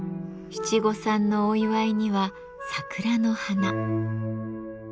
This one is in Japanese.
七五三のお祝いには桜の花。